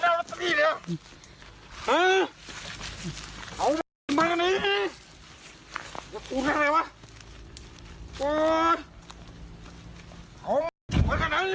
โหพูดดดลองป่าว